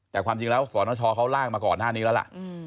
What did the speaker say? แต่ความจริงแล้วสนชเขาล่างมาก่อนหน้านี้แล้วล่ะ